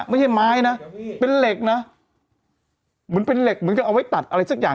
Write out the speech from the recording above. ไม่ใช่ไม้นะเป็นเหล็กนะเหมือนเป็นเหล็กเหมือนกับเอาไว้ตัดอะไรสักอย่าง